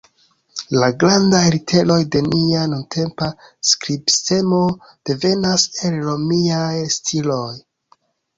La grandaj literoj de nia nuntempa skribsistemo devenas el Romiaj stiloj.